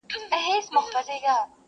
زه زړېږم او یاران مي یو په یو رانه بیلیږي؛